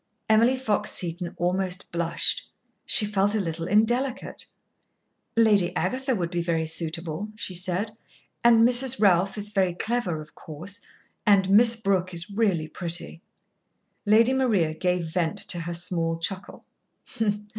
Emily Fox Seton almost blushed. She felt a little indelicate. "Lady Agatha would be very suitable," she said. "And Mrs. Ralph is very clever, of course. And Miss Brooke is really pretty." Lady Maria gave vent to her small chuckle.